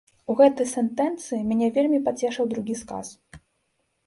У гэтай сэнтэнцыі мяне вельмі пацешыў другі сказ.